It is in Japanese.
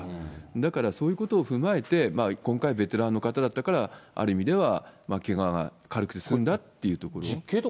だから、そういうことを踏まえて、今回はベテランの方だったから、ある意味では、けがが軽くて済んだというところ。